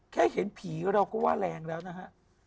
เห็นผีเราก็ว่าแรงแล้วนะฮะ